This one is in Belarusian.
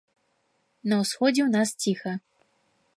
На ўсходзе ў нас ціха.